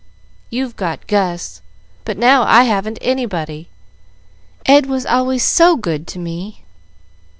"You've got Gus, but now I haven't anybody. Ed was always so good to me!"